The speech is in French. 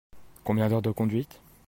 Combien d'heures de conduite ?